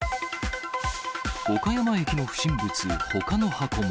岡山駅の不審物、ほかの箱も。